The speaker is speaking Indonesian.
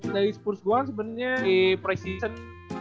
dari spurs gua sebenernya di preseason